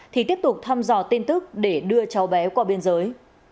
thì tiếp tục thăm dò tin tức để đưa cháu bé qua biên giới